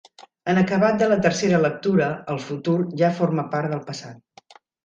En acabat de la tercera lectura “El futur” ja forma part del passat.